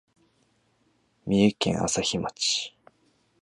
三重県朝日町